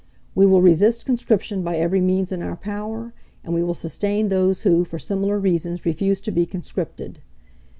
"We will resist conscription by every means in our power, and we will sustain those who, for similar reasons, refuse to be conscripted.